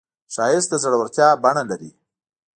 ښایست د زړورتیا بڼه لري